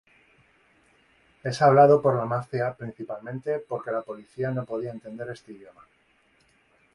Es hablado por la Mafia principalmente porque la policía no podía entender este idioma.